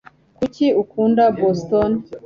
kuki ukunda boston